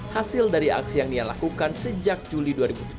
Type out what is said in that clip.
hasil dari aksi yang dia lakukan sejak juli dua ribu tujuh belas